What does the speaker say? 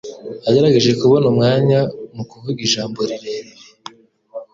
Yagerageje kubona umwanya mukuvuga ijambo rirerire.